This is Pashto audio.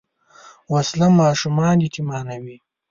وسله ماشومان یتیمانوي